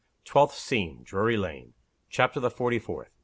TWELFTH SCENE. DRURY LANE. CHAPTER THE FORTY FOURTH.